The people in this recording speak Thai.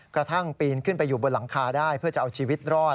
กระทั่งปีนขึ้นไปอยู่บนหลังคาได้เพื่อจะเอาชีวิตรอด